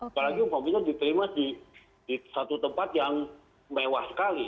apalagi umpamanya diterima di satu tempat yang mewah sekali